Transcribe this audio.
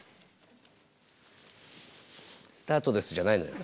「スタートです」じゃないのよ。